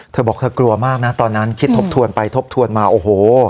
เธอบอกเธอกลัวมากนะตอนนั้นคิดทบทวนไปทบทวนมาโอ้โห